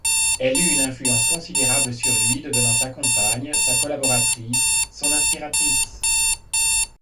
Elle eut une influence considérable sur lui, devenant sa compagne, sa collaboratrice, son inspiratrice.